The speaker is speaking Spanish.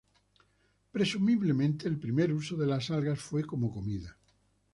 Presumiblemente, el primer uso de las algas fue como comida.